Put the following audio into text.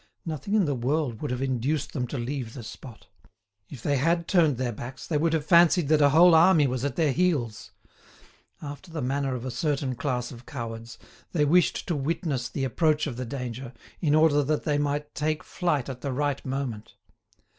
Nothing in the world would have induced them to leave the spot. If they had turned their backs, they would have fancied that a whole army was at their heels. After the manner of a certain class of cowards, they wished to witness the approach of the danger, in order that they might take flight at the right moment.